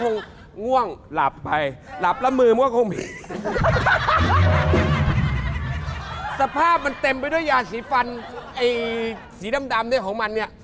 คงง่วงหลับไปหลับแล้วมือมันก็คงสภาพมันเต็มไปด้วยยาสีฟันสีดำดำเนี้ยของมันเนี้ย